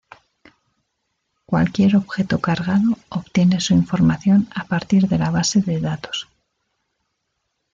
Cualquier objeto cargado obtiene su información a partir de la base de datos.